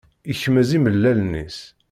Yekmez imellalen-is